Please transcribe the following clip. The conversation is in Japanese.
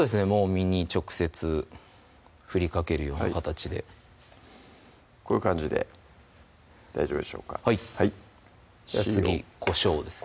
身に直接振りかけるような形でこういう感じで大丈夫でしょうかはい次こしょうですね